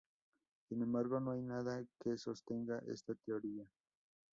Sin embargo no hay nada que sostenga esta teoría.